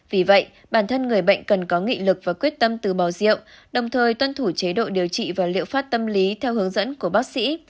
vì vậy bản thân người bệnh cần có nghị lực và quyết tâm từ bỏ rượu đồng thời tuân thủ chế độ điều trị và liệu phát tâm lý theo hướng dẫn của bác sĩ